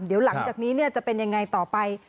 เดี๋ยวหลังจากนี้จะเป็นยังไงต่อไป